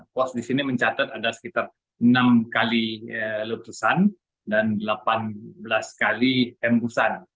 pos di sini mencatat ada sekitar enam kali letusan dan delapan belas kali tembusan